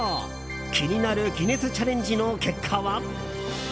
気になるギネスチャレンジの結果は。